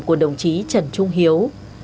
của đồng chí trần trung hiếu